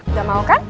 udah mau kan